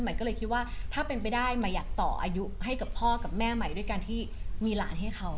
ก็เลยคิดว่าถ้าเป็นไปได้ใหม่อยากต่ออายุให้กับพ่อกับแม่ใหม่ด้วยการที่มีหลานให้เขา